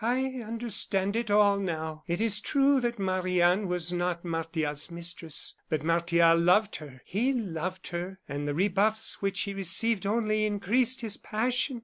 I understand it all, now. It is true that Marie Anne was not Martial's mistress, but Martial loved her. He loved her, and the rebuffs which he received only increased his passion.